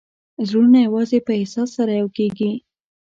زړونه یوازې په احساس سره یو کېږي.